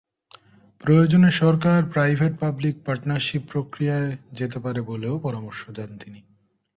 প্রয়োজনে সরকার private-public partnership প্রক্রিয়ায় যেতে পারে বলেও পরামর্শ দেন তিনি।